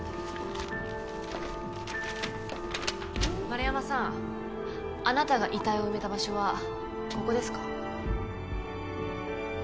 円山さんあなたが遺体を埋めた場所はここですか？